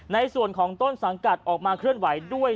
ในส่วนของต้นสังกัดออกมาเคลื่อนไหวด้วย